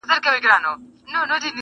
دا د قامونو د خپلویو وطن.!